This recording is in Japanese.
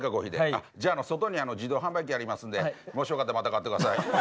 じゃあ外に自動販売機ありますんでもしよかったらまた買って下さい。